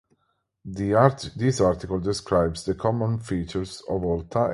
This article describes the common features of all types.